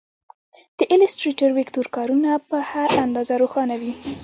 د ایلیسټریټر ویکتور کارونه په هر اندازه روښانه وي.